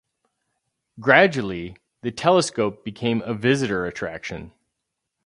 Gradually, the telescope became a visitor attraction.